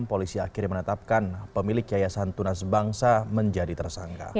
polisi akhirnya menetapkan pemilik yayasan tunas bangsa menjadi tersangka